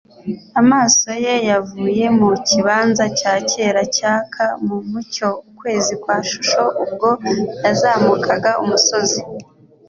Amaso ye yavuye mu kibanza cya kera cyaka mu mucyo ukwezi kwa shusho ubwo yazamukaga umusozi.